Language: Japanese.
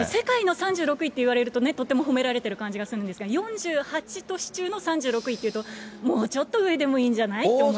３６位っていうとね、とても褒められてる感じがするんですが、４８都市中の３６位というと、もうちょっと上でもいいんじゃない？って思うんです。